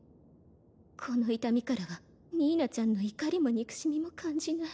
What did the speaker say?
この痛みからはニーナちゃんの怒りも憎しみも感じない。